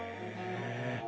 へえ。